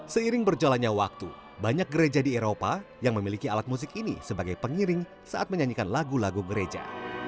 seiring berjalannya waktu banyak gereja di eropa yang memiliki alat musik ini sebagai pengiring saat menyanyikan lagu lagu gereja